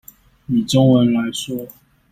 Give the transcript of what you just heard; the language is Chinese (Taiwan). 以中文來說